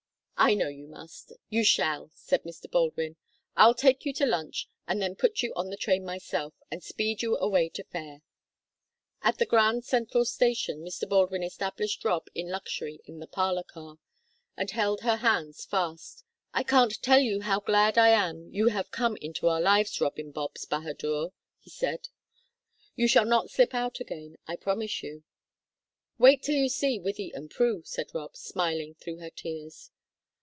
"I know you must you shall," said Mr. Baldwin. "I'll take you to lunch, and then put you on the train myself, and speed you away to Fayre." At the Grand Central Station Mr. Baldwin established Rob in luxury in the parlor car, and held her hands fast. "I can't tell you how glad I am you have come into our lives, Robin Bobs bahadur," he said. "You shall not slip out again, I promise you." "Wait till you see Wythie and Prue," said Rob, smiling through her tears.